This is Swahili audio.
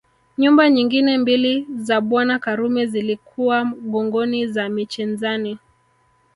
Nyumba nyingine mbili za Bwana Karume zilikuwa Gongoni na Michenzani